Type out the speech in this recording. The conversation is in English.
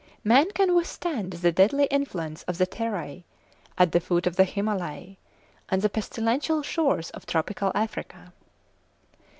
Man can withstand the deadly influence of the Terai at the foot of the Himalaya, and the pestilential shores of tropical Africa.